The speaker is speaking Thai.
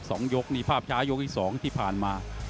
สองยกนี่ภาพช้ายกที่สองที่ผ่านมา